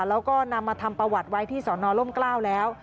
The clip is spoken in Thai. แล้วก็นำมาทำประวัติไว้ที่สอนอล่มกล้าวแล้ว